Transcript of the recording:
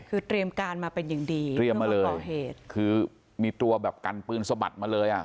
คือเตรียมการมาเป็นอย่างดีเตรียมมาเลยก่อเหตุคือมีตัวแบบกันปืนสะบัดมาเลยอ่ะ